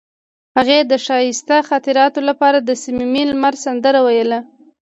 هغې د ښایسته خاطرو لپاره د صمیمي لمر سندره ویله.